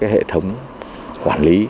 hệ thống quản lý